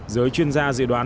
giới chuyên gia dự đoán